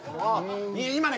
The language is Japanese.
今ね